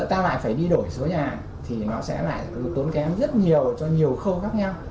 ta lại phải đi đổi số nhà thì nó sẽ lại tốn kém rất nhiều cho nhiều khâu khác nhau